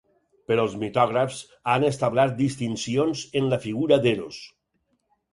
Però els mitògrafs han establert distincions en la figura d'Eros.